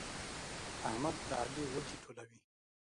احمد د علي وږي ټولوي.